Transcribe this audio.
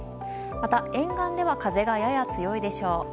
また、沿岸では風がやや強いでしょう。